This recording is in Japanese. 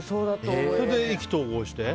それで意気投合して。